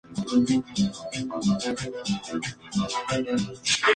La nación quedó consternada al ver su asesinato, y se realizaron diversas protestas.